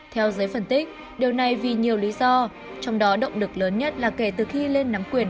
theo giới phân tích điều này vì nhiều lý do trong đó động lực lớn nhất là kể từ khi lên nắm quyền